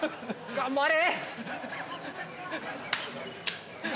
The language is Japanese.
◆頑張れ！